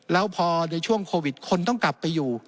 แล้วพอในช่วงโควิดคนต้องกลับไปอยู่